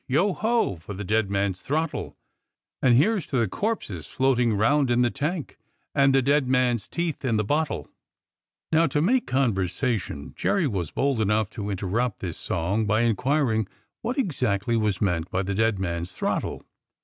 Yo ho ! for the dead man's throttle. And here's to the corpses floating round in the tank, And the dead man's teeth in the bottle." 97 98 DOCTOR SYN Now to make conversation Jerry was bold enough to interrupt this song by inquiring what exactly was meant by the "dead man's throttle."